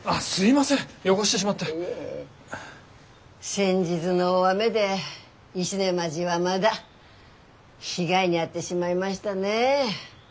先日の大雨で石音町はまだ被害に遭ってしまいましたね。